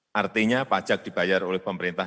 pemerintah pemerintah yang ditanggung oleh pemirsa pemerintah